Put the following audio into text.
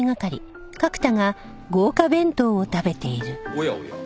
おやおや。